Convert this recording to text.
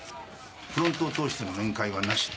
フロントを通しての面会はなし。